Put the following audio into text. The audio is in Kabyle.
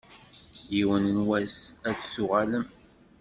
Yiwen n wass ad d-tuɣalem.